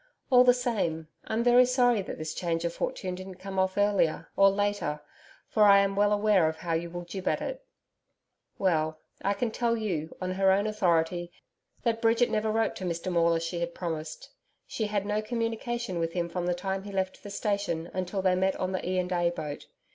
All the same, I'm very sorry that this change of fortune didn't come off earlier or later, for I am well aware of how you will jib at it. Well, I can tell you, on her own authority, that Bridget never wrote to Mr Maule as she had promised. She had no communication with him from the time he left the station until they met on the E. and A. boat.